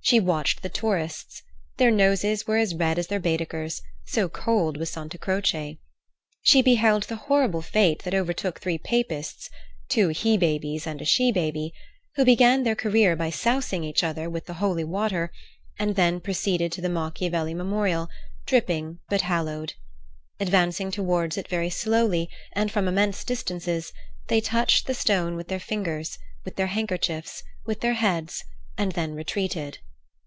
She watched the tourists; their noses were as red as their Baedekers, so cold was Santa Croce. She beheld the horrible fate that overtook three Papists—two he babies and a she baby—who began their career by sousing each other with the Holy Water, and then proceeded to the Machiavelli memorial, dripping but hallowed. Advancing towards it very slowly and from immense distances, they touched the stone with their fingers, with their handkerchiefs, with their heads, and then retreated.